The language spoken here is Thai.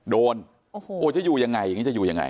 โดนโอ้โหจะอยู่ยังไงอย่างนี้จะอยู่ยังไง